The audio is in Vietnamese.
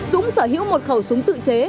dũng sở hữu một khẩu súng tự chế